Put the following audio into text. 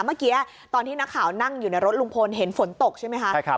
เมื่อกี้ตอนที่นักข่าวนั่งอยู่ในรถลุงพลเห็นฝนตกใช่ไหมคะ